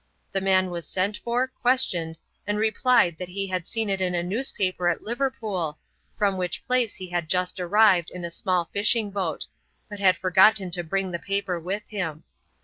The man was sent for, questioned, and replied he had seen it in a newspaper at Liverpool, from which place he was just arrived in a small fishing boat, but had forgotten to bring the paper with him.